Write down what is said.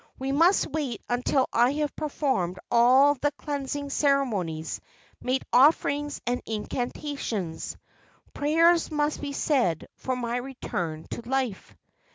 We must wait until I have performed all the cleans¬ ing ceremonies, made offerings and incantations. Prayers must be said for my return to life.